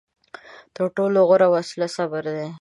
تر ټولو غوره وسله صبر دی.